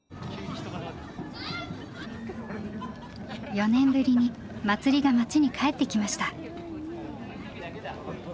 ４年ぶりに祭りが町に帰ってきました。